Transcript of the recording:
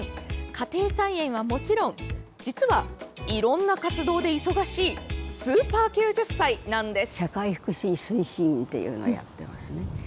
家庭菜園はもちろん実は、いろんな活動で忙しいスーパー９０歳なんです。